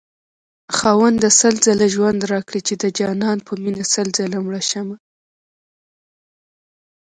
خاونده سل ځله ژوند راكړې چې دجانان په مينه سل ځله مړشمه